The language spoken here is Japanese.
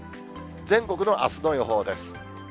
全国のあすの予報です。